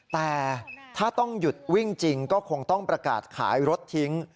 แต่ถ้าต้องหยุดวิ่งจริงก็คงต้องประกาศขายรถทิ้ง